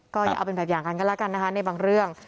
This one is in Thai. ก็อย่าเอาเป็นแบบอย่างกันก็แล้วกันนะคะในบางเรื่อง